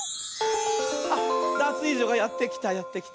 あっダツイージョがやってきたやってきた。